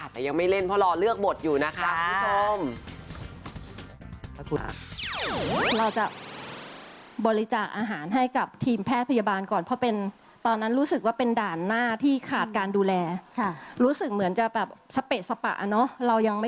แต่ยังไม่เล่นเพราะรอเลือกบทอยู่นะคะคุณผู้ชม